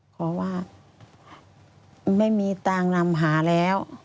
ขอว่าไม่มีตังค์นำหาแล้ว